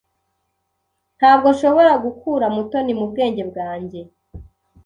Ntabwo nshobora gukura Mutoni mu bwenge bwanjye.